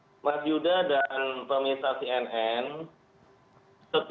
apakah harga harga itu juga nanti akan ditambahkan ke dalam kenaikan harga gabah dan beras pak